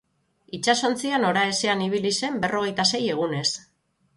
Itsasontzia noraezean ibili zen berrogeita sei egunez.